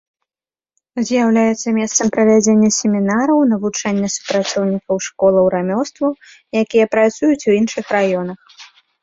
З'яўляецца месцам правядзення семінараў, навучання супрацоўнікаў школаў рамёстваў, якія працуюць у іншых раёнах.